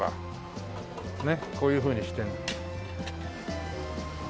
ねっこういうふうにしてるの。